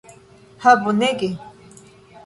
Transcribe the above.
Ha bonege.